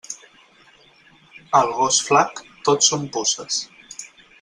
Al gos flac, tot són puces.